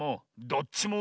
どっちも？